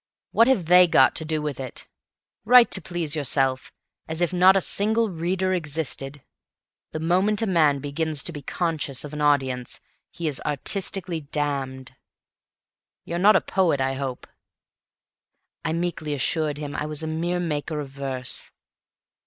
What have they got to do with it? Write to please yourself, as if not a single reader existed. The moment a man begins to be conscious of an audience he is artistically damned. You're not a Poet, I hope?" I meekly assured him I was a mere maker of verse.